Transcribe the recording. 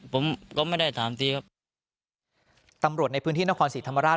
ผมก็ไม่ได้ถามทีครับ